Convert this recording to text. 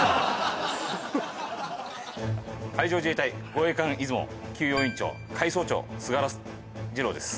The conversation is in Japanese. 海上自衛隊護衛艦いずも給養員長海曹長菅原治郎です